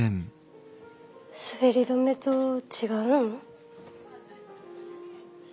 滑り止めと違うん？